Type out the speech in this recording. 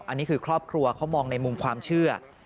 อันนี้คือครอบครัวเขามองในมุมความเชื่อ